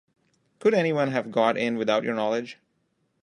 Could anyone have got in without your knowledge?